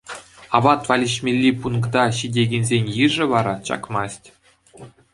Апат валеҫмелли пункта ҫитекенсен йышӗ вара чакмасть.